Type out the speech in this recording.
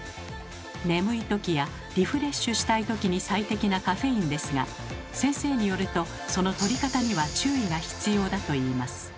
眠いときやリフレッシュしたいときに最適なカフェインですが先生によるとそのとり方には注意が必要だといいます。